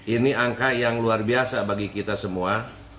ini angka yang luar biasa bagi kita semua